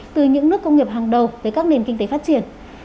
từ những nước công nghiệp hàng đầu tới các nền kinh tế phát triển